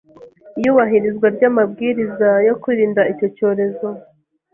iyubahirizwa ry’amabwiriza yo kwirinda icyo cyorezo.